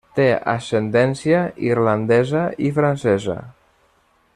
Té ascendència irlandesa i francesa.